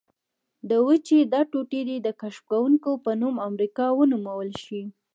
د وچې دا ټوټه دې د کشف کوونکي په نوم امریکا ونومول شي.